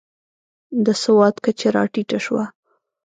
د سواد کچه راټیټه شوه.